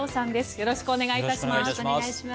よろしくお願いします。